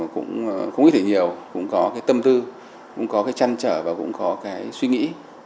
cũng không ít thì nhiều cũng có cái tâm tư cũng có cái chăn trở và cũng có cái suy nghĩ